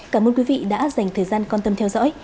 cảm ơn quý vị đã dành thời gian quan tâm theo dõi